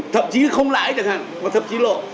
thậm chí không lãi chẳng hạn và thậm chí lộ